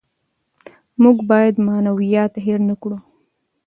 موږ باید معنویات هېر نکړو.